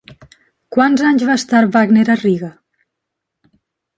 Quants anys va estar Wagner a Riga?